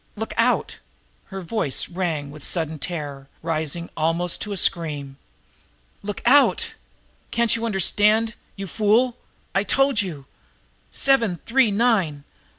Look out!" Her voice rang with sudden terror, rising almost to a scream. "Look out! Can't you understand, you fool! I've told you! Seven three nine!